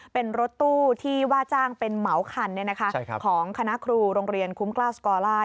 เป็นรถตู้ที่ว่าจ้างเป็นเหมาคันของคณะครูโรงเรียนคุ้มกล้าวสกอลล่า